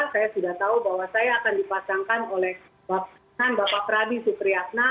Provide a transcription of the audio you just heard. saya sudah tahu bahwa saya akan dipasangkan oleh bapak pradi supriyatna